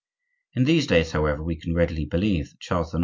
In these days, however, we can readily believe that Charles IX.